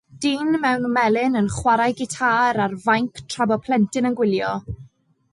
Dyn mewn melyn yn chwarae gitâr ar fainc tra bo plentyn yn gwylio.